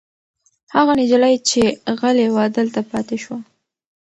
هغه نجلۍ چې غلې وه دلته پاتې شوه.